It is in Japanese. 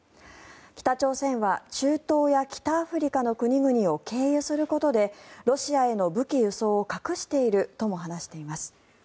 北朝鮮は中東や北アフリカの国々を経由することでロシアへの武器輸送を隠しているとも話しています。